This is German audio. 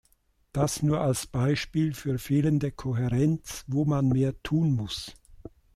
Das nur als Beispiel für fehlende Kohärenz, wo man mehr tun muss.